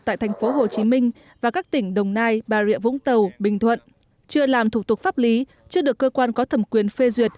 tại thành phố hồ chí minh và các tỉnh đồng nai bà rịa vũng tàu bình thuận chưa làm thủ tục pháp lý chưa được cơ quan có thẩm quyền phê ruột